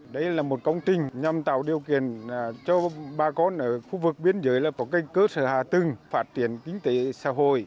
đây là một công trình nhằm tạo điều kiện cho bà con ở khu vực biên giới là có cơ sở hạ tưng phát triển kinh tế xã hội